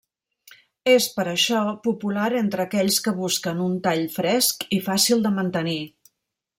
És per això popular entre aquells que busquen un tall fresc i fàcil de mantenir.